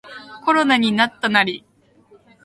コロナになったナリ